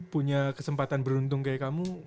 punya kesempatan beruntung kayak kamu